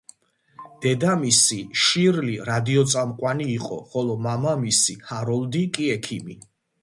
დედამისი, შირლი, რადიოწამყვანი იყო, ხოლო მამამისი, ჰაროლდი კი ექიმი.